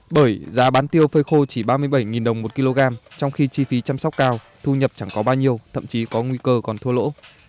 bởi giá bán tiêu phơi khô chỉ ba mươi bảy đồng một kg trong khi chi phí chăm sóc cao thu nhập chẳng có bao nhiêu thậm chí có nguy cơ còn thua lỗ